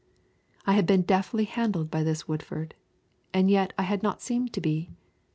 I had been deftly handled by this Woodford, and yet I had not seemed to be.